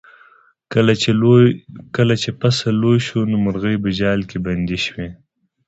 کله چې فصل لوی شو نو مرغۍ په جال کې بندې شوې.